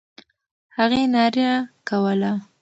هغې ناره کوله.